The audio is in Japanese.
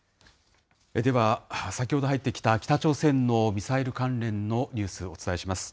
では、先ほど入ってきた北朝鮮のミサイル関連のニュース、お伝えします。